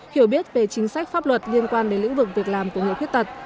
hiểu biết về chính sách pháp luật liên quan đến lĩnh vực việc làm của người khuyết tật